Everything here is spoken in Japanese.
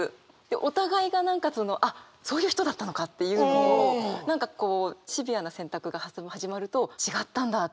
お互いが何かそのあっそういう人だったのかっていうのを何かこうシビアな選択が始まると違ったんだっていうのが分かって。